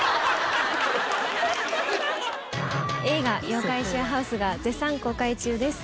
『映画妖怪シェアハウス』が絶賛公開中です。